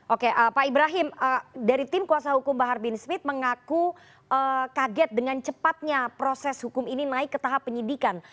oke pak ibrahim dari tim kuasa hukum bahar bin smith mengaku kaget dengan cepatnya proses hukum ini naik ke tahap penyidikan